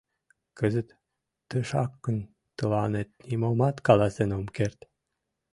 Кызыт тышакын тыланет нимомат каласен ом керт.